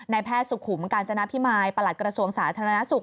แพทย์สุขุมกาญจนพิมายประหลัดกระทรวงสาธารณสุข